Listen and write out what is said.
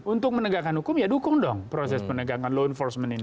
untuk menegakkan hukum ya dukung dong proses penegakan law enforcement ini